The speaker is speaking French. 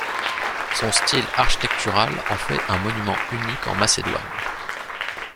Son style architectural en fait un monument unique en Macédoine.